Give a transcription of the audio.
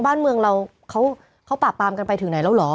บ้านเมืองเราเขาปราบปรามกันไปถึงไหนแล้วเหรอ